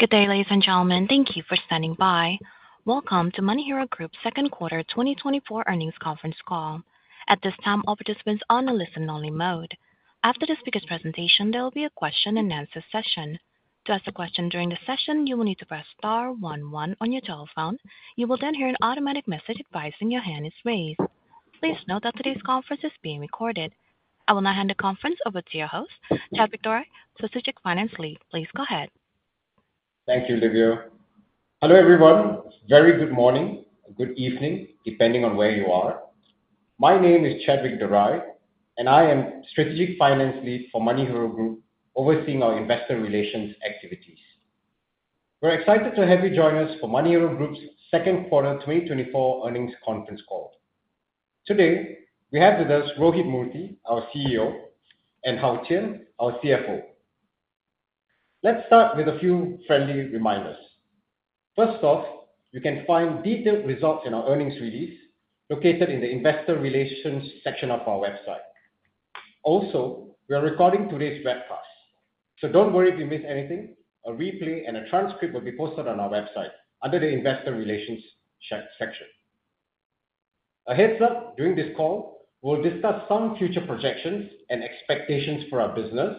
Good day, ladies and gentlemen. Thank you for standing by. Welcome to MoneyHero Group's second quarter 2024 earnings conference call. At this time, all participants are in a listen-only mode. After the speaker's presentation, there will be a question and answer session. To ask a question during the session, you will need to press star one one on your telephone. You will then hear an automatic message advising that your hand is raised. Please note that today's conference is being recorded. I will now hand the conference over to your host, Chadwick Dorai, Strategic Finance Lead. Please go ahead. Thank you, Olivia. Hello, everyone. Very good morning or good evening, depending on where you are. My name is Chadwick Dorai, and I am Strategic Finance Lead for MoneyHero Group, overseeing our Investor Relations activities. We're excited to have you join us for MoneyHero Group's second quarter 2024 earnings conference call. Today, we have with us Rohith Murthy, our CEO, and Hao Qian, our CFO. Let's start with a few friendly reminders. First off, you can find detailed results in our earnings release located in the Investor Relations section of our website. Also, we are recording today's webcast, so don't worry if you miss anything. A replay and a transcript will be posted on our website under the Investor Relations section. A heads up, during this call, we'll discuss some future projections and expectations for our business.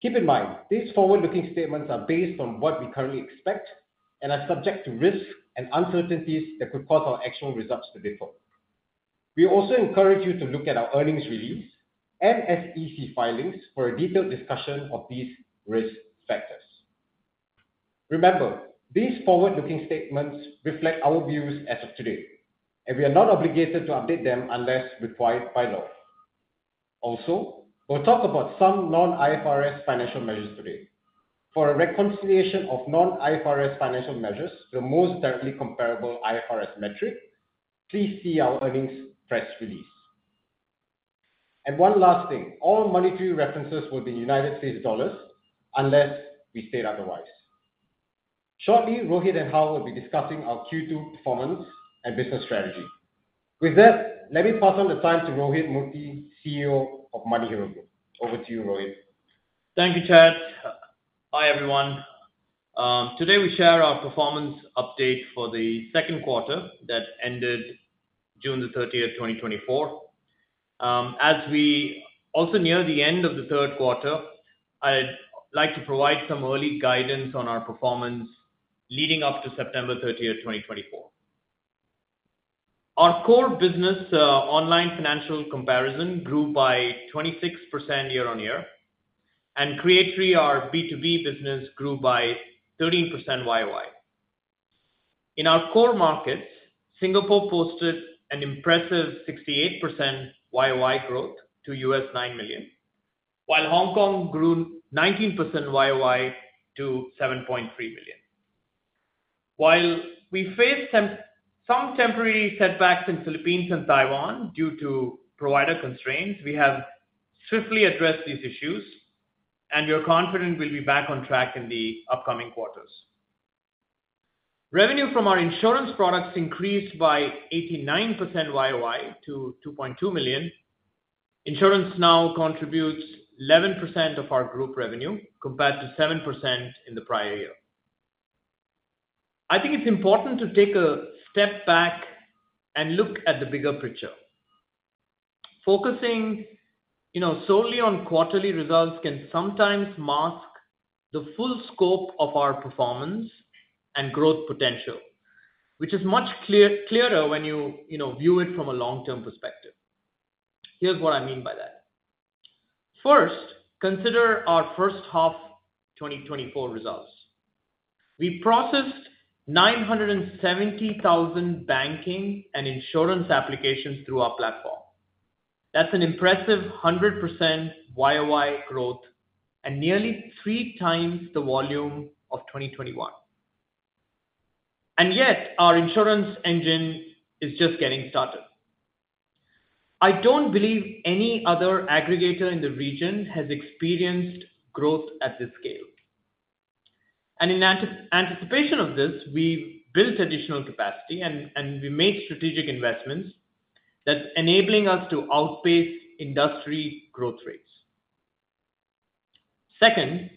Keep in mind, these forward-looking statements are based on what we currently expect and are subject to risks and uncertainties that could cause our actual results to differ. We also encourage you to look at our earnings release and SEC filings for a detailed discussion of these risk factors. Remember, these forward-looking statements reflect our views as of today, and we are not obligated to update them unless required by law. Also, we'll talk about some non-IFRS financial measures today. For a reconciliation of non-IFRS financial measures, the most directly comparable IFRS metric, please see our earnings press release. And one last thing, all monetary references will be United States dollars, unless we state otherwise. Shortly, Rohith Murthy and Hao will be discussing our Q2 performance and business strategy. With that, let me pass on the time to Rohith Murthy, CEO of MoneyHero Group. Over to you, Rohith. Thank you, Chad. Hi, everyone. Today, we share our performance update for the second quarter that ended June 30, 2024. As we also near the end of the third quarter, I'd like to provide some early guidance on our performance leading up to September 30, 2024. Our core business, online financial comparison, grew by 26% year-on-year, and Creatory, our B2B business, grew by 13% YoY. In our core markets, Singapore posted an impressive 68% YoY growth to $9 million, while Hong Kong grew 19% YoY to $7.3 million. While we faced some temporary setbacks in Philippines and Taiwan due to provider constraints, we have swiftly addressed these issues, and we are confident we'll be back on track in the upcoming quarters. Revenue from our insurance products increased by 89% YoY to $2.2 million. Insurance now contributes 11% of our group revenue, compared to 7% in the prior year. I think it's important to take a step back and look at the bigger picture. Focusing, you know, solely on quarterly results can sometimes mask the full scope of our performance and growth potential, which is much clearer when you, you know, view it from a long-term perspective. Here's what I mean by that. First, consider our first half 2024 results. We processed 970,000 banking and insurance applications through our platform. That's an impressive 100% YoY growth and nearly three times the volume of 2021. And yet, our insurance engine is just getting started. I don't believe any other aggregator in the region has experienced growth at this scale. In anticipation of this, we've built additional capacity and we made strategic investments that's enabling us to outpace industry growth rates. Second,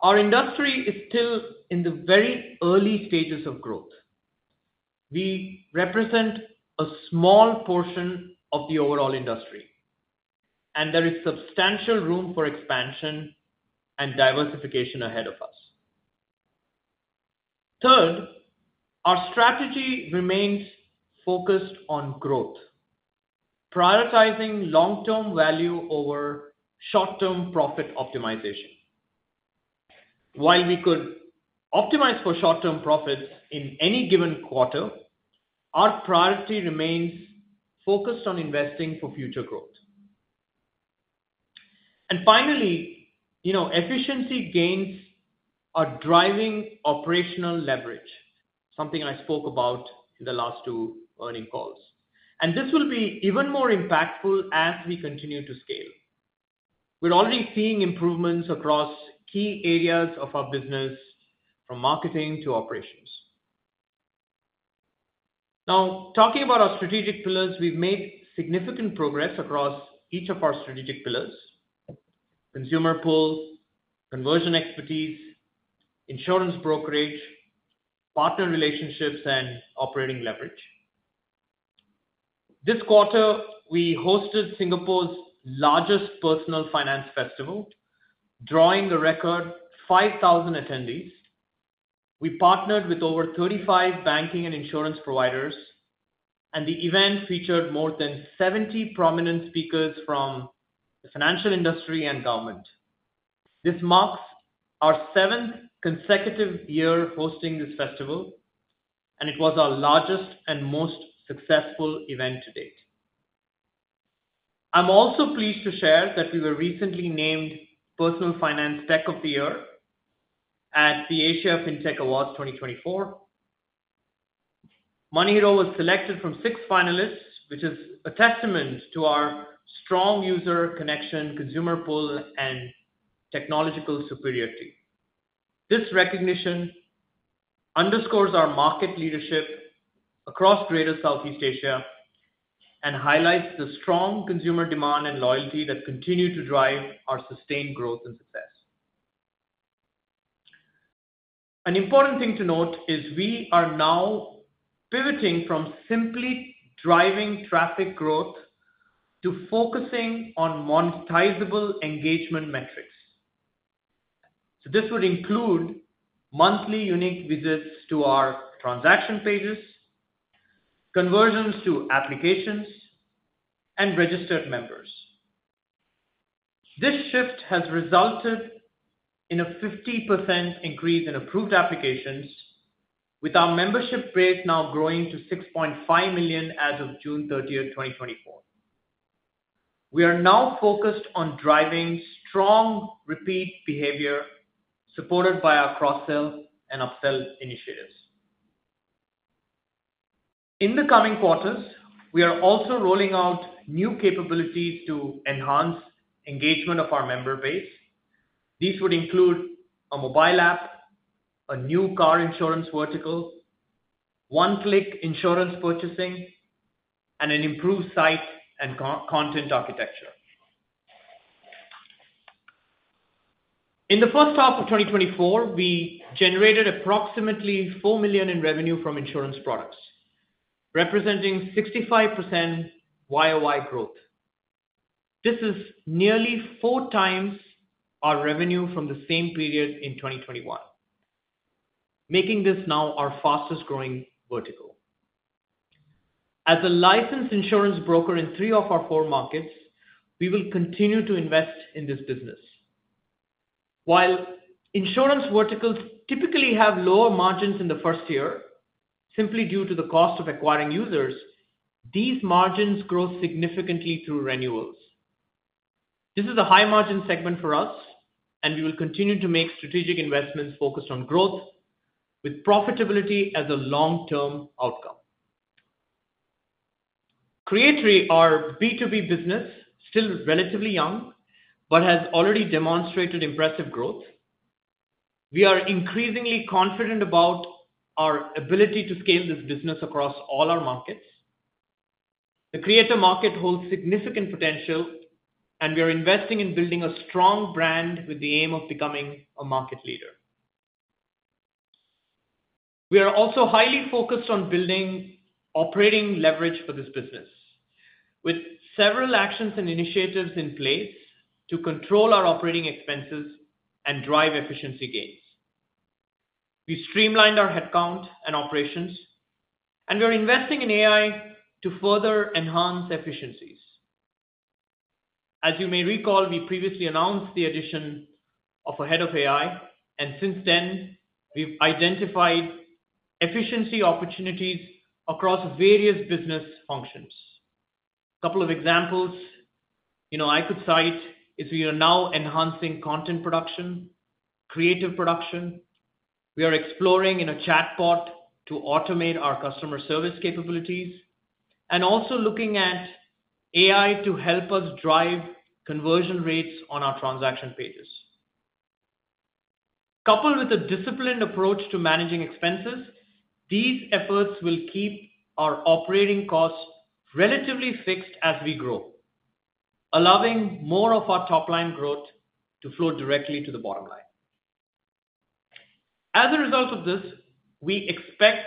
our industry is still in the very early stages of growth. We represent a small portion of the overall industry, and there is substantial room for expansion and diversification ahead of us. Third, our strategy remains focused on growth, prioritizing long-term value over short-term profit optimization. While we could optimize for short-term profits in any given quarter, our priority remains focused on investing for future growth. Finally, you know, efficiency gains are driving operational leverage, something I spoke about in the last two earnings calls, and this will be even more impactful as we continue to scale. We're already seeing improvements across key areas of our business, from marketing to operations. Now, talking about our strategic pillars, we've made significant progress across each of our strategic pillars: consumer pool, conversion expertise, insurance brokerage, partner relationships, and operating leverage. This quarter, we hosted Singapore's largest personal finance festival, drawing a record 5,000 attendees. We partnered with over 35 banking and insurance providers, and the event featured more than 70 prominent speakers from the financial industry and government. This marks our seventh consecutive year hosting this festival, and it was our largest and most successful event to date. I'm also pleased to share that we were recently named Personal Finance Tech of the Year at the Asia FinTech Awards 2024. MoneyHero was selected from 6 finalists, which is a testament to our strong user connection, consumer pool, and technological superiority. This recognition underscores our market leadership across Greater Southeast Asia and highlights the strong consumer demand and loyalty that continue to drive our sustained growth and success. An important thing to note is we are now pivoting from simply driving traffic growth to focusing on monetizable engagement metrics. So this would include monthly unique visits to our transaction pages, conversions to applications, and registered members. This shift has resulted in a 50% increase in approved applications, with our membership base now growing to 6.5 million as of June thirtieth, 2024. We are now focused on driving strong repeat behavior, supported by our cross-sell and upsell initiatives. In the coming quarters, we are also rolling out new capabilities to enhance engagement of our member base. These would include a mobile app, a new car insurance vertical, one-click insurance purchasing, and an improved site and content architecture. In the first half of 2024, we generated approximately $4 million in revenue from insurance products, representing 65% YoY growth. This is nearly 4 times our revenue from the same period in 2021, making this now our fastest growing vertical. As a licensed insurance broker in 3 of our 4 markets, we will continue to invest in this business. While insurance verticals typically have lower margins in the first year, simply due to the cost of acquiring users, these margins grow significantly through renewals. This is a high-margin segment for us, and we will continue to make strategic investments focused on growth with profitability as a long-term outcome. Creatory, our B2B business, still relatively young, but has already demonstrated impressive growth. We are increasingly confident about our ability to scale this business across all our markets. The creator market holds significant potential, and we are investing in building a strong brand with the aim of becoming a market leader. We are also highly focused on building operating leverage for this business, with several actions and initiatives in place to control our operating expenses and drive efficiency gains. We streamlined our headcount and operations, and we are investing in AI to further enhance efficiencies. As you may recall, we previously announced the addition of a head of AI, and since then, we've identified efficiency opportunities across various business functions. A couple of examples, you know, I could cite is we are now enhancing content production, creative production. We are exploring a chatbot to automate our customer service capabilities, and also looking at AI to help us drive conversion rates on our transaction pages. Coupled with a disciplined approach to managing expenses, these efforts will keep our operating costs relatively fixed as we grow, allowing more of our top-line growth to flow directly to the bottom line. As a result of this, we expect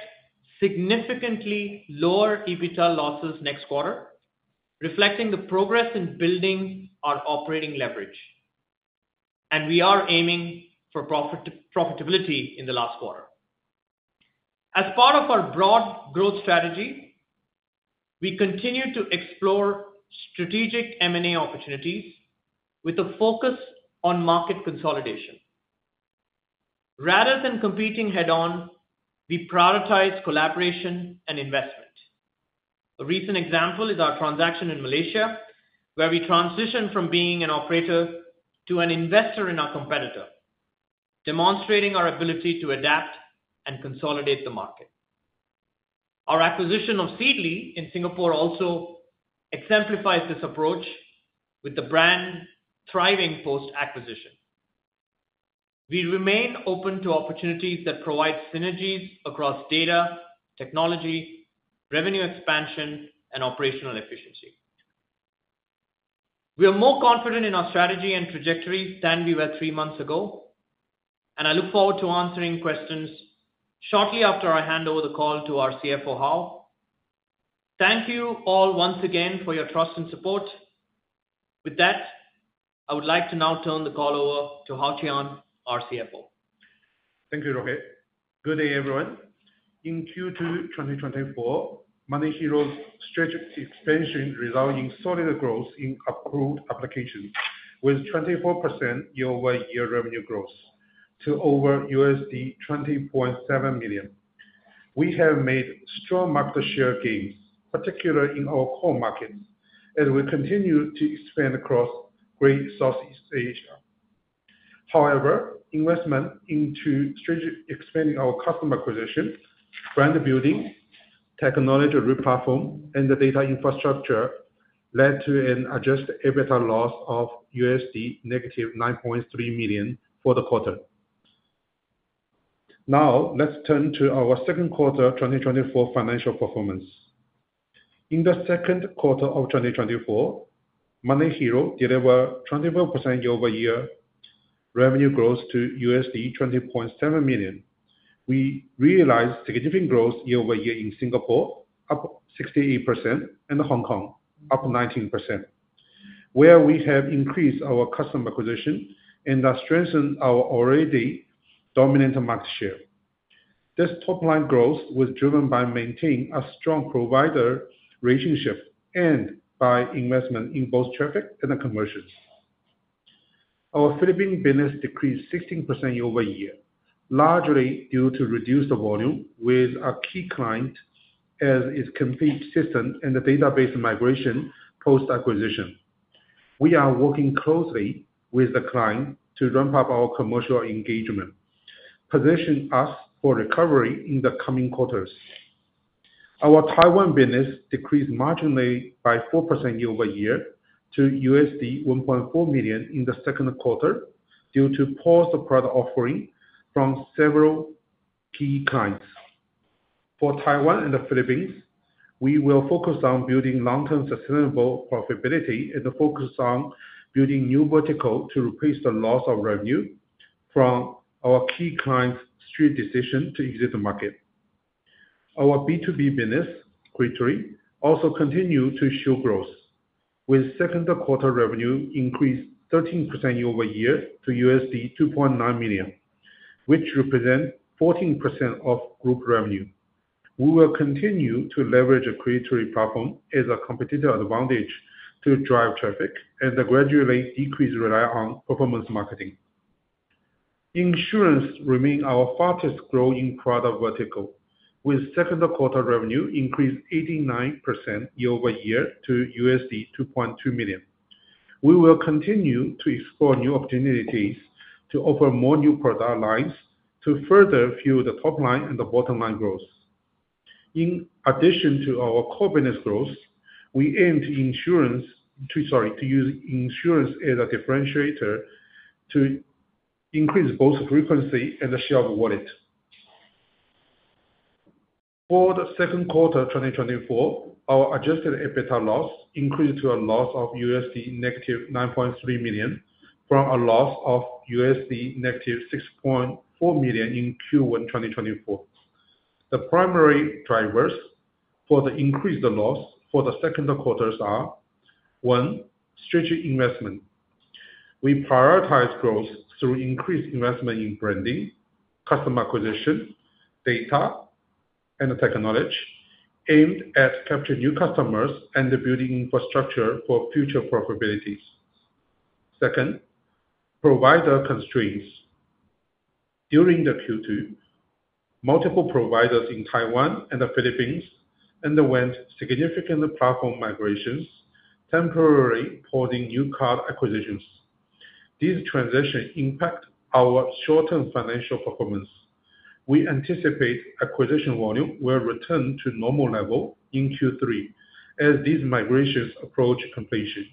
significantly lower EBITDA losses next quarter, reflecting the progress in building our operating leverage, and we are aiming for profit- profitability in the last quarter. As part of our broad growth strategy, we continue to explore strategic M&A opportunities with a focus on market consolidation. Rather than competing head-on, we prioritize collaboration and investment. A recent example is our transaction in Malaysia, where we transitioned from being an operator to an investor in our competitor, demonstrating our ability to adapt and consolidate the market. Our acquisition of Seedly in Singapore also exemplifies this approach with the brand thriving post-acquisition.... We remain open to opportunities that provide synergies across data, technology, revenue expansion, and operational efficiency. We are more confident in our strategy and trajectory than we were three months ago, and I look forward to answering questions shortly after I hand over the call to our CFO, Hao. Thank you all once again for your trust and support. With that, I would like to now turn the call over to Hao Qian, our CFO. Thank you, Rohith. Good day, everyone. In Q2 2024, MoneyHero's strategic expansion resulted in solid growth in approved applications, with 24% year-over-year revenue growth to over $20.7 million. We have made strong market share gains, particularly in our core markets, as we continue to expand across Greater Southeast Asia. However, investment into strategic expanding our customer acquisition, brand building, technology replatform, and the data infrastructure led to an adjusted EBITDA loss of -$9.3 million for the quarter. Now, let's turn to our second quarter 2024 financial performance. In the second quarter of 2024, MoneyHero delivered 24% year-over-year revenue growth to $20.7 million. We realized significant growth year-over-year in Singapore, up 68%, and Hong Kong, up 19%, where we have increased our customer acquisition and that strengthened our already dominant market share. This top-line growth was driven by maintaining a strong provider relationship and by investment in both traffic and the conversions. Our Philippine business decreased 16% year-over-year, largely due to reduced volume with a key client as it completes system and the database migration post-acquisition. We are working closely with the client to ramp up our commercial engagement, position us for recovery in the coming quarters. Our Taiwan business decreased marginally by 4% year-over-year to $1.4 million in the second quarter, due to pause the product offering from several key clients. For Taiwan and the Philippines, we will focus on building long-term sustainable profitability and focus on building new vertical to replace the loss of revenue from our key clients' strategic decision to exit the market. Our B2B business, Creatory, also continue to show growth, with second quarter revenue increased 13% year-over-year to $2.9 million, which represent 14% of group revenue. We will continue to leverage a Creatory platform as a competitive advantage to drive traffic and gradually decrease rely on performance marketing. Insurance remain our fastest growing product vertical, with second quarter revenue increased 89% year-over-year to $2.2 million. We will continue to explore new opportunities to offer more new product lines to further fuel the top line and the bottom line growth. In addition to our core business growth, we aim to insurance to, sorry, to use insurance as a differentiator to increase both frequency and the share of wallet. For the second quarter of 2024, our adjusted EBITDA loss increased to a loss of $9.3 million, from a loss of $6.4 million in Q1 2024. The primary drivers for the increased loss for the second quarter are: one, strategic investment. We prioritize growth through increased investment in branding, customer acquisition, data, and the technology, aimed at capture new customers and the building infrastructure for future profitabilities. Second, provider constraints. During the Q2, multiple providers in Taiwan and the Philippines underwent significant platform migrations, temporarily pausing new card acquisitions. These transitions impact our short-term financial performance. We anticipate acquisition volume will return to normal level in Q3 as these migrations approach completion.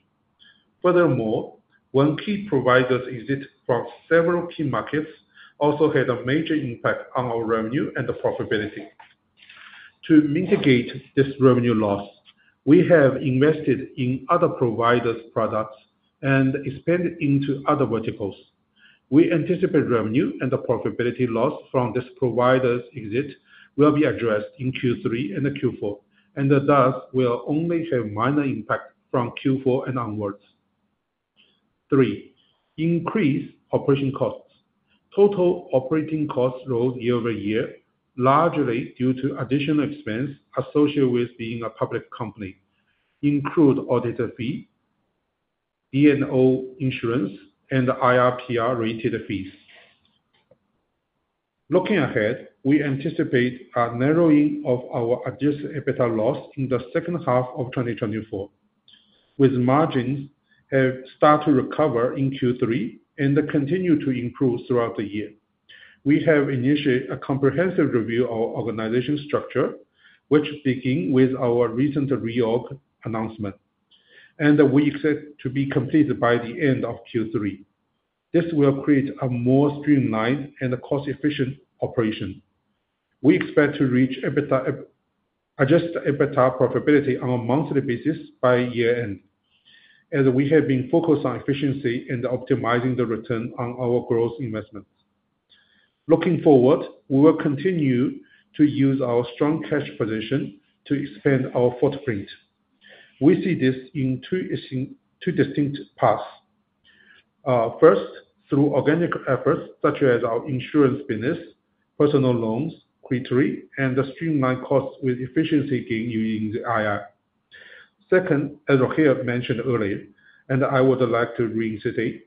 Furthermore, one key provider's exit from several key markets also had a major impact on our revenue and the profitability. To mitigate this revenue loss, we have invested in other providers' products and expanded into other verticals. We anticipate revenue and the profitability loss from this provider's exit will be addressed in Q3 and Q4, and thus will only have minor impact from Q4 and onward. Three, increased operating costs. Total operating costs rose year-over-year, largely due to additional expenses associated with being a public company, including auditor fee, D&O insurance, and IR/PR-related fees. Looking ahead, we anticipate a narrowing of our Adjusted EBITDA loss in the second half of 2024, with margins have started to recover in Q3 and continue to improve throughout the year. We have initiated a comprehensive review of organizational structure, which begin with our recent reorg announcement. And we expect to be completed by the end of Q3. This will create a more streamlined and a cost-efficient operation. We expect to reach EBITDA, adjusted EBITDA profitability on a monthly basis by year-end, as we have been focused on efficiency and optimizing the return on our growth investments. Looking forward, we will continue to use our strong cash position to expand our footprint. We see this in two distinct paths. First, through organic efforts such as our insurance business, personal loans, Creatory, and the streamlined costs with efficiency gain using the AI. Second, as Rohith mentioned earlier, and I would like to reiterate,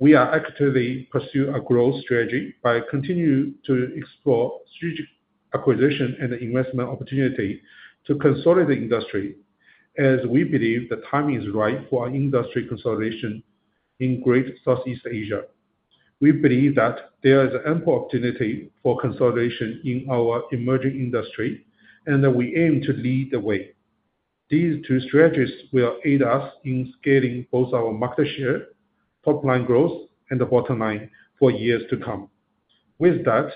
we are actively pursue a growth strategy by continuing to explore strategic acquisition and investment opportunity to consolidate the industry, as we believe the timing is right for industry consolidation in Greater Southeast Asia. We believe that there is ample opportunity for consolidation in our emerging industry, and that we aim to lead the way. These two strategies will aid us in scaling both our market share, top line growth, and the bottom line for years to come. With that,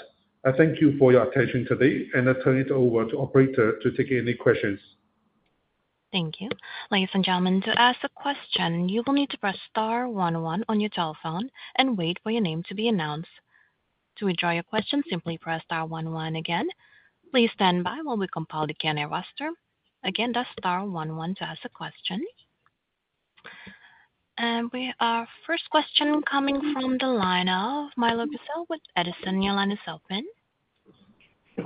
I thank you for your attention today, and I turn it over to operator to take any questions. Thank you. Ladies and gentlemen, to ask a question, you will need to press star one one on your telephone and wait for your name to be announced. To withdraw your question, simply press star one one again. Please stand by while we compile the Q&A roster. Again, that's star one one to ask a question. And our first question coming from the line of Milo Bussell with Edison. Your line is open.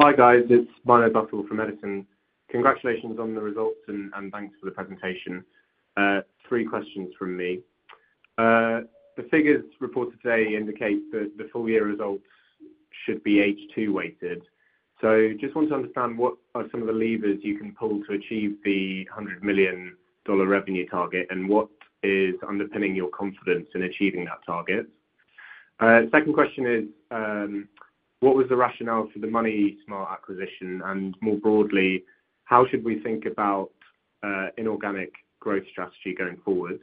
Hi, guys, it's Milo Bussell from Edison. Congratulations on the results and thanks for the presentation. Three questions from me. The figures reported today indicate that the full year results should be H2 weighted. So just want to understand, what are some of the levers you can pull to achieve the $100 million revenue target? And what is underpinning your confidence in achieving that target? Second question is, what was the rationale for the MoneySmart acquisition? And more broadly, how should we think about inorganic growth strategy going forward?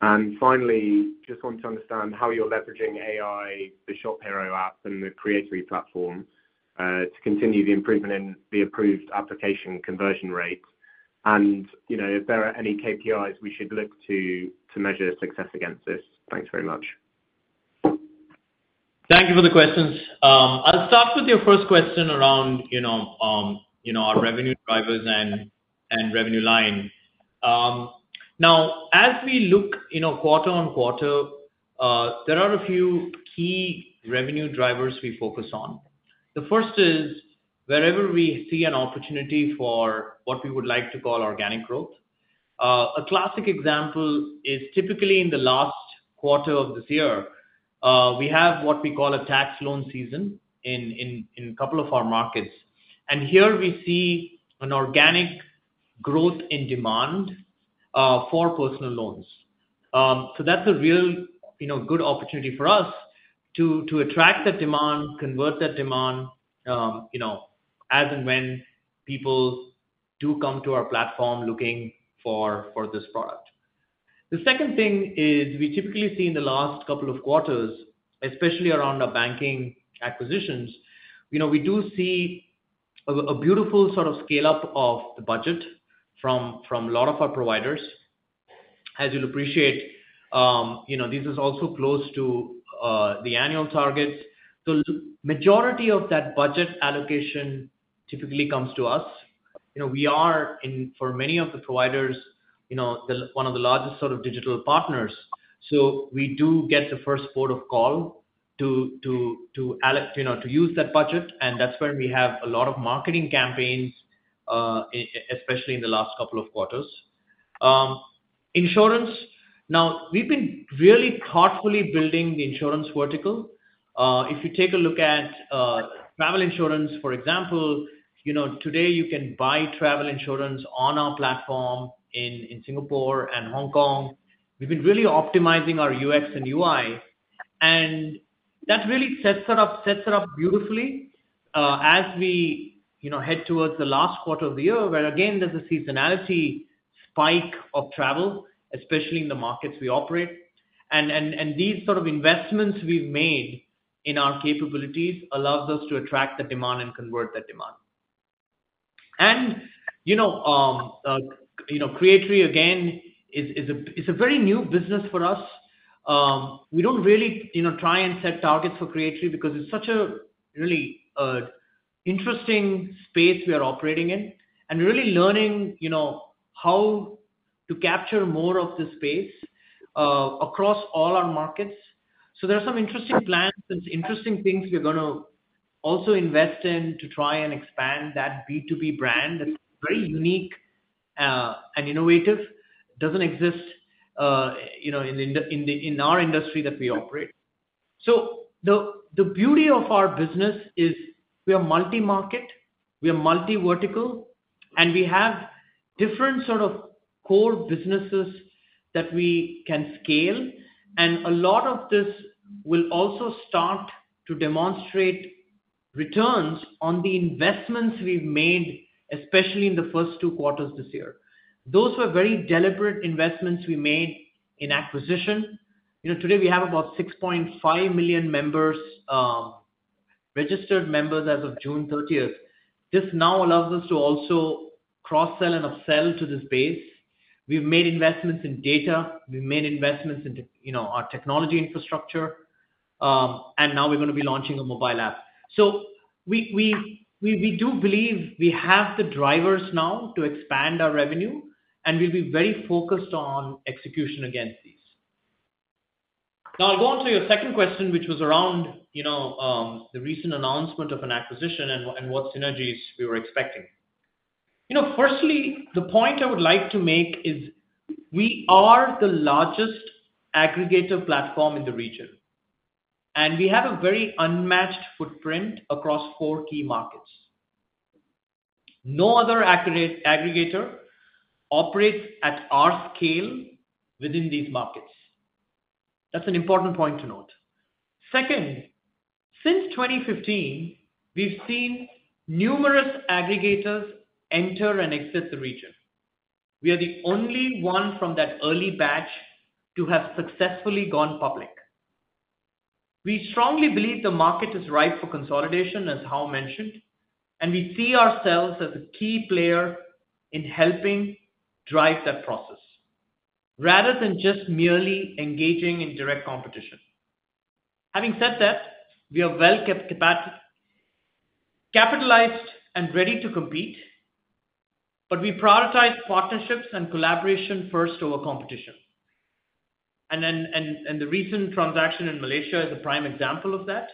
And finally, just want to understand how you're leveraging AI, the ShopHero app, and the Creatory platform to continue the improvement in the approved application conversion rates. And, you know, if there are any KPIs we should look to to measure success against this. Thanks very much. Thank you for the questions. I'll start with your first question around, you know, you know, our revenue drivers and revenue line. Now, as we look, you know, quarter-on-quarter, there are a few key revenue drivers we focus on. The first is wherever we see an opportunity for what we would like to call organic growth. A classic example is typically in the last quarter of this year, we have what we call a tax loan season in a couple of our markets. And here we see an organic growth in demand for personal loans. So that's a real, you know, good opportunity for us to attract that demand, convert that demand, you know, as and when people do come to our platform looking for this product. The second thing is we typically see in the last couple of quarters, especially around the banking acquisitions, you know, we do see a beautiful sort of scale-up of the budget from a lot of our providers. As you'll appreciate, you know, this is also close to the annual targets. So majority of that budget allocation typically comes to us. You know, we are, and for many of the providers, you know, the one of the largest sort of digital partners. So we do get the first port of call to you know, to use that budget, and that's where we have a lot of marketing campaigns, especially in the last couple of quarters. Insurance. Now, we've been really thoughtfully building the insurance vertical. If you take a look at travel insurance, for example, you know, today you can buy travel insurance on our platform in Singapore and Hong Kong. We've been really optimizing our UX and UI, and that really sets it up beautifully as we, you know, head towards the last quarter of the year, where, again, there's a seasonality spike of travel, especially in the markets we operate. And these sort of investments we've made in our capabilities allows us to attract the demand and convert that demand. And, you know, Creatory, again, is a very new business for us. We don't really, you know, try and set targets for Creatory because it's such a really interesting space we are operating in, and really learning, you know, how to capture more of the space across all our markets. So there are some interesting plans and interesting things we're gonna also invest in to try and expand that B2B brand that's very unique and innovative. Doesn't exist, you know, in our industry that we operate. So the beauty of our business is we are multi-market, we are multi-vertical, and we have different sort of core businesses that we can scale, and a lot of this will also start to demonstrate returns on the investments we've made, especially in the first two quarters this year. Those were very deliberate investments we made in acquisition. You know, today we have about 6.5 million members, registered members as of June thirtieth. This now allows us to also cross-sell and upsell to this base. We've made investments in data, we've made investments in, you know, our technology infrastructure, and now we're going to be launching a mobile app, so we do believe we have the drivers now to expand our revenue, and we'll be very focused on execution against these. Now, I'll go on to your second question, which was around, you know, the recent announcement of an acquisition and what synergies we were expecting. You know, firstly, the point I would like to make is we are the largest aggregator platform in the region, and we have a very unmatched footprint across four key markets. No other aggregator operates at our scale within these markets. That's an important point to note. Second, since 2015, we've seen numerous aggregators enter and exit the region. We are the only one from that early batch to have successfully gone public. We strongly believe the market is ripe for consolidation, as Hao mentioned, and we see ourselves as a key player in helping drive that process rather than just merely engaging in direct competition. Having said that, we are well capitalized and ready to compete, but we prioritize partnerships and collaboration first over competition. And then the recent transaction in Malaysia is a prime example of that,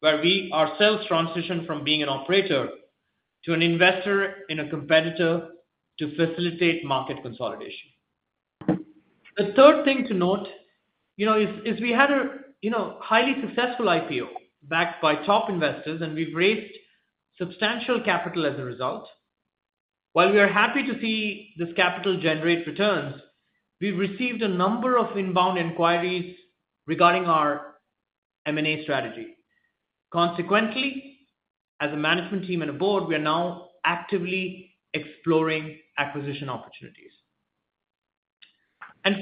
where we ourselves transitioned from being an operator to an investor in a competitor to facilitate market consolidation. The third thing to note, you know, is we had a you know highly successful IPO backed by top investors, and we've raised substantial capital as a result. While we are happy to see this capital generate returns, we've received a number of inbound inquiries regarding our M&A strategy. Consequently, as a management team and a board, we are now actively exploring acquisition opportunities.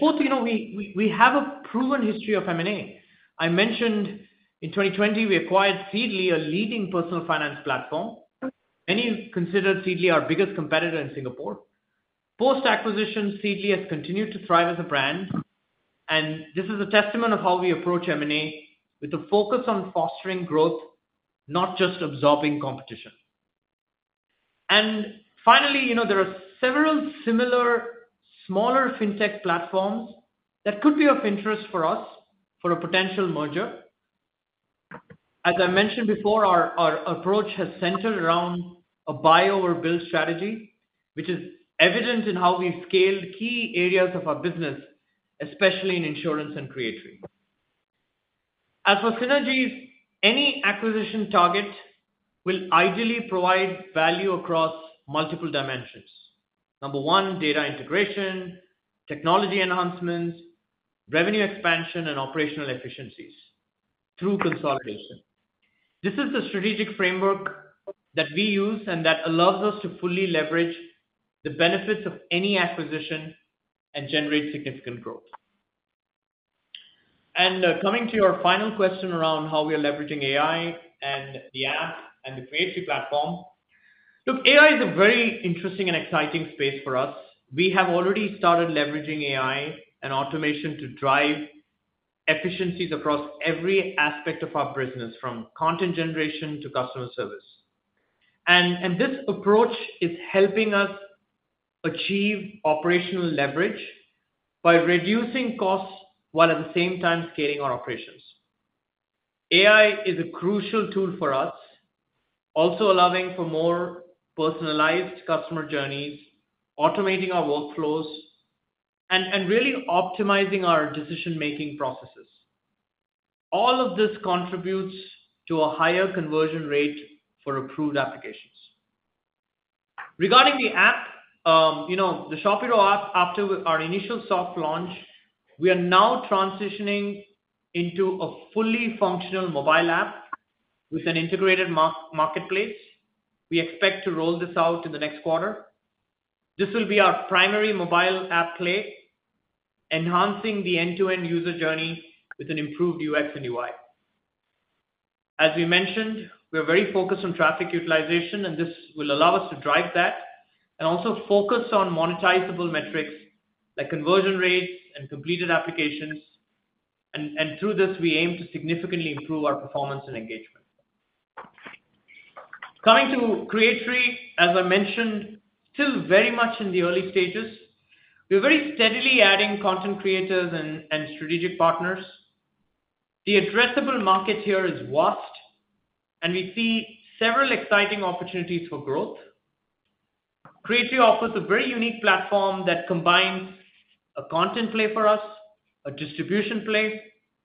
Fourth, you know, we have a proven history of M&A. I mentioned in 2020, we acquired Seedly, a leading personal finance platform. Many considered Seedly our biggest competitor in Singapore. Post-acquisition, Seedly has continued to thrive as a brand, and this is a testament of how we approach M&A with a focus on fostering growth, not just absorbing competition. Finally, you know, there are several similar smaller fintech platforms that could be of interest for us for a potential merger. As I mentioned before, our approach has centered around a buy or build strategy, which is evident in how we've scaled key areas of our business, especially in insurance and Creatory. As for synergies, any acquisition target will ideally provide value across multiple dimensions. Number one, data integration, technology enhancements, revenue expansion, and operational efficiencies through consolidation. This is the strategic framework that we use and that allows us to fully leverage the benefits of any acquisition and generate significant growth. And, coming to your final question around how we are leveraging AI and the app and the Creatory platform. Look, AI is a very interesting and exciting space for us. We have already started leveraging AI and automation to drive efficiencies across every aspect of our business, from content generation to customer service. This approach is helping us achieve operational leverage by reducing costs, while at the same time scaling our operations. AI is a crucial tool for us, also allowing for more personalized customer journeys, automating our workflows, and really optimizing our decision-making processes. All of this contributes to a higher conversion rate for approved applications. Regarding the app, you know, the ShopHero app, after our initial soft launch, we are now transitioning into a fully functional mobile app with an integrated marketplace. We expect to roll this out in the next quarter. This will be our primary mobile app play, enhancing the end-to-end user journey with an improved UX and UI. As we mentioned, we are very focused on traffic utilization, and this will allow us to drive that, and also focus on monetizable metrics like conversion rates and completed applications. And through this, we aim to significantly improve our performance and engagement. Coming to Creatory, as I mentioned, still very much in the early stages. We're very steadily adding content creators and strategic partners. The addressable market here is vast, and we see several exciting opportunities for growth. Creatory offers a very unique platform that combines a content play for us, a distribution play,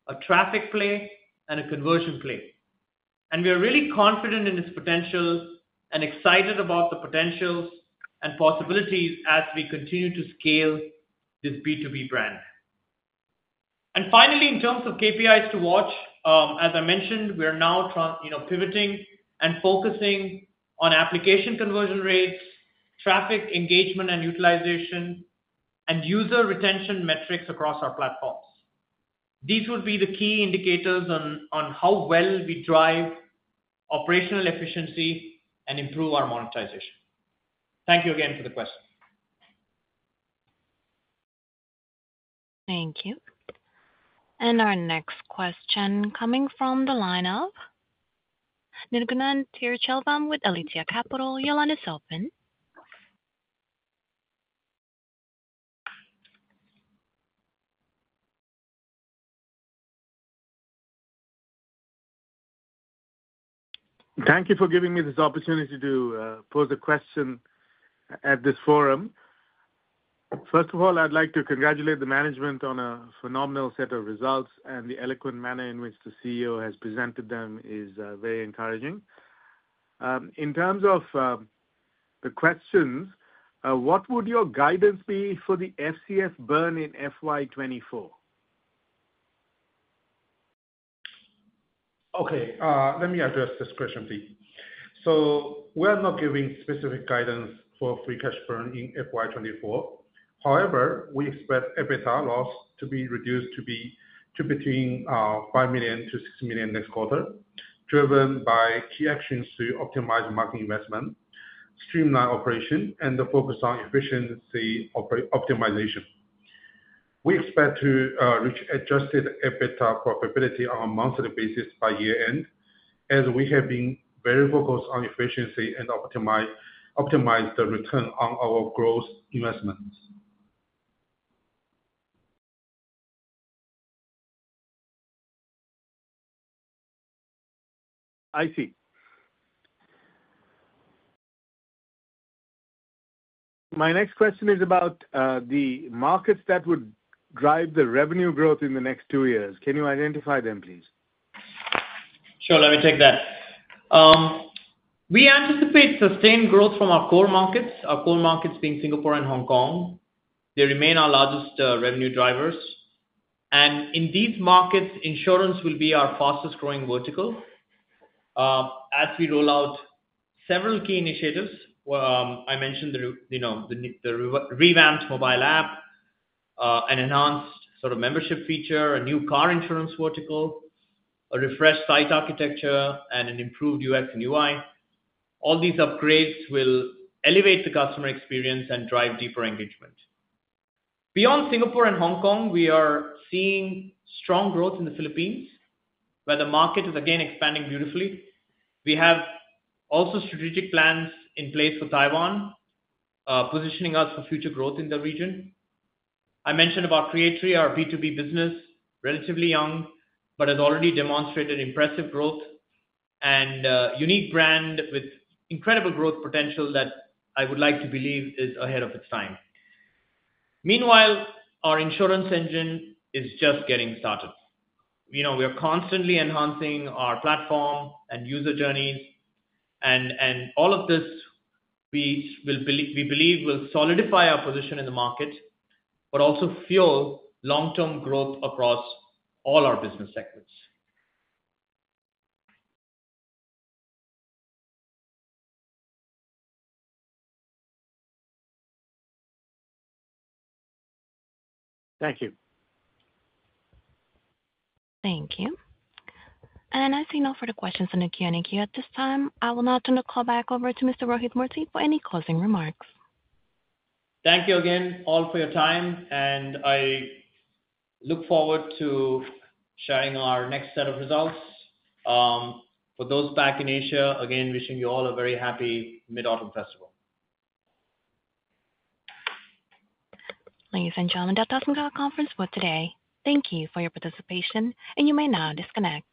a traffic play, and a conversion play. And we are really confident in its potential and excited about the potentials and possibilities as we continue to scale this B2B brand. And finally, in terms of KPIs to watch, as I mentioned, we are now, you know, pivoting and focusing on application conversion rates, traffic engagement and utilization, and user retention metrics across our platforms. These would be the key indicators on how well we drive operational efficiency and improve our monetization. Thank you again for the question. Thank you. And our next question coming from the line of Nirgunan Tiruchelvam with Aletheia Capital. Your line is open. Thank you for giving me this opportunity to pose a question at this forum. First of all, I'd like to congratulate the management on a phenomenal set of results, and the eloquent manner in which the CEO has presented them is very encouraging. In terms of the questions, what would your guidance be for the FCF burn in FY 2024? Okay, let me address this question, please. So we are not giving specific guidance for free cash burn in FY 2024. However, we expect EBITDA loss to be reduced to between $5 million-$6 million next quarter, driven by key actions to optimize market investment, streamline operation and the focus on efficiency optimization. We expect to reach adjusted EBITDA profitability on a monthly basis by year-end, as we have been very focused on efficiency and optimize the return on our growth investments. I see. My next question is about the markets that would drive the revenue growth in the next two years. Can you identify them, please? Sure, let me take that. We anticipate sustained growth from our core markets, our core markets being Singapore and Hong Kong. They remain our largest revenue drivers. And in these markets, insurance will be our fastest growing vertical. As we roll out several key initiatives, I mentioned, you know, the revamped mobile app, an enhanced sort of membership feature, a new car insurance vertical, a refreshed site architecture, and an improved UX and UI. All these upgrades will elevate the customer experience and drive deeper engagement. Beyond Singapore and Hong Kong, we are seeing strong growth in the Philippines, where the market is again expanding beautifully. We have also strategic plans in place for Taiwan, positioning us for future growth in the region. I mentioned about Creatory, our B2B business, relatively young, but has already demonstrated impressive growth and unique brand with incredible growth potential that I would like to believe is ahead of its time. Meanwhile, our insurance engine is just getting started. You know, we are constantly enhancing our platform and user journeys, and all of this we believe will solidify our position in the market, but also fuel long-term growth across all our business sectors. Thank you. Thank you. And I see no further questions in the Q&A queue at this time. I will now turn the call back over to Mr. Rohith Murthy for any closing remarks. Thank you again, all, for your time, and I look forward to sharing our next set of results. For those back in Asia, again, wishing you all a very happy Mid-Autumn Festival. Ladies and gentlemen, that does end our conference for today. Thank you for your participation, and you may now disconnect.